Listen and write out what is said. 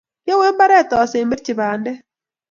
kiawe mbaret asemberchi bandek